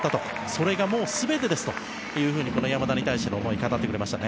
それが全てですとこの山田に対しての思いを語ってくれました。